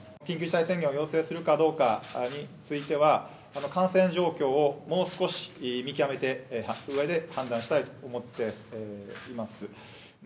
緊急事態宣言を要請するかどうかについては、感染状況をもう少し見極めたうえで、判断したいと思っています。